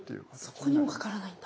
そこにもかからないんだ。